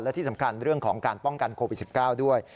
และที่สำคัญเรื่องของการป้องกันโควิด๑๙ด้วย